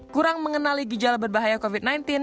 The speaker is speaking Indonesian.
kurang mengenali gejala berbahaya covid sembilan belas